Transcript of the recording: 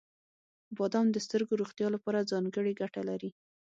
• بادام د سترګو روغتیا لپاره ځانګړې ګټه لري.